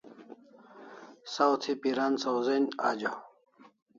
Saw thi piran sawzen ajo